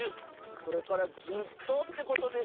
これからずっとってことでしょ。